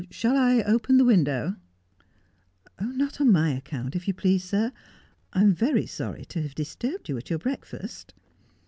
Shall I open the window ?'' Not on my account, if you please, sir. I am very sorry to have disturbed you at your breakfast.'